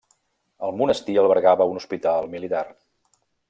El monestir albergava un hospital militar.